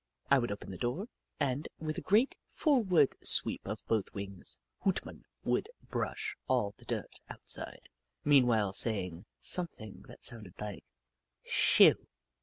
I would open the door, and with a great, for ward sweep of both wings, Hoot Mon would brush all the dirt outside, meanwhile saying something that sounded like "shoo !